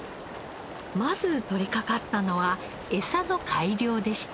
まず取りかかったのはエサの改良でした。